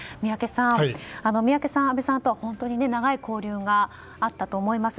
宮家さん、安倍さんとは本当に長い交流があったと思います。